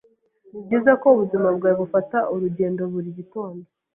Nibyiza ko ubuzima bwawe bufata urugendo buri gitondo.